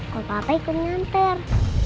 kalau papa ikutin nganter